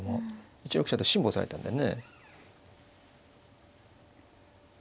１六飛車と辛抱されたんでね。